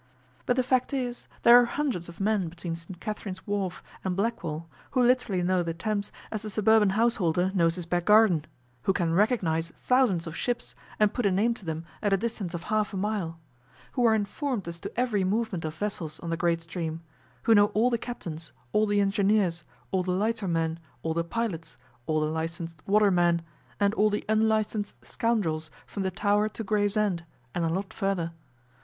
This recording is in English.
But the fact is, there are hundreds of men between St Katherine's Wharf and Blackwall who literally know the Thames as the suburban householder knows his back garden who can recognize thousands of ships and put a name to them at a distance of half a mile, who are informed as to every movement of vessels on the great stream, who know all the captains, all the engineers, all the lightermen, all the pilots, all the licensed watermen, and all the unlicensed scoundrels from the Tower to Gravesend, and a lot further.